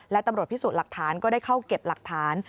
และตำรวจพิสูจน์หลักฐานก็ได้เข้าเก็บหลักฐาน